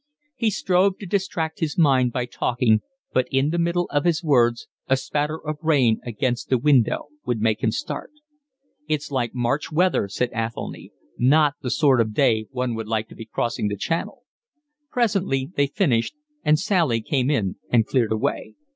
He strove to distract his mind by talking, but in the middle of his words a spatter of rain against the window would make him start. "It's like March weather," said Athelny. "Not the sort of day one would like to be crossing the Channel." Presently they finished, and Sally came in and cleared away.